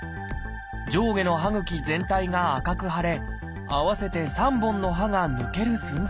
上下の歯ぐき全体が赤く腫れ合わせて３本の歯が抜ける寸前でした。